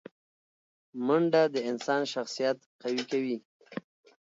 منډه د انسان شخصیت قوي کوي